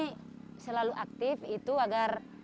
kami selalu aktif agar